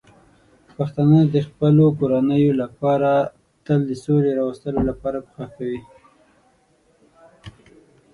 پښتانه د خپلو کورنیو لپاره تل د سولې راوستلو لپاره کوښښ کوي.